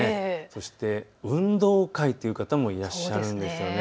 そして運動会という方もいらっしゃるんですよね。